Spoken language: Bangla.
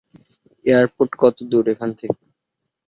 এয়ারপোর্ট কত দুর এখান থেকে?